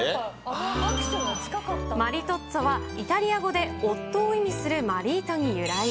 マリトッツォは、イタリア語で夫を意味するマリートに由来。